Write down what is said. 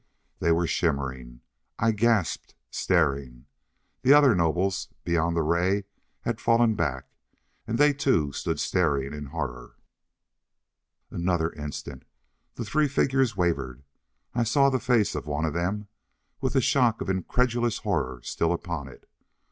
They were shimmering! I gasped, staring. The other nobles, beyond the ray, had fallen back. And they too stood staring in horror. Another instant The three figures wavered. I saw the face of one of them, with the shock of incredulous horror still upon it.